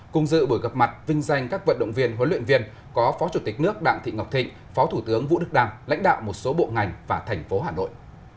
cùng dự buổi gặp mặt vinh danh các vận động viên huấn luyện viên có phó chủ tịch nước đặng thị ngọc thịnh phó thủ tướng vũ đức đam lãnh đạo một số bộ ngành và thành phố hà nội